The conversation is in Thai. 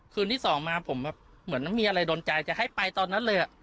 คืนที่สองมาผมแบบเหมือนไม่มีอะไรโดนใจจะให้ไปตอนนั้นเลย